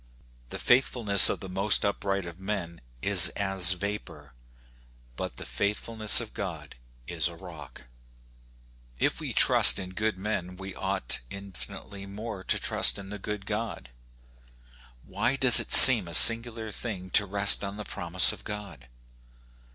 The faithfulness of the most upright of men is as vapor, but the faithfulness of God is as a rock. 48 According to the Promise, If wc trust in good men we ought infinitely more to trust in the good God. Why does it seem a singular thing to rest on the promise of God?